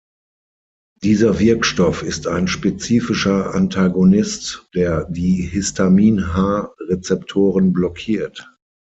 Dieser Wirkstoff ist ein spezifischer Antagonist, der die Histamin-H-Rezeptoren blockiert.